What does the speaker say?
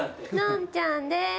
ノンちゃんです。